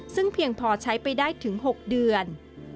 ซึ่งเพียงพอใช้ไปได้ถึง๖เดือน